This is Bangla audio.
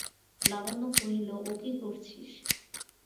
লাবণ্য কহিল, ও কী করছিস?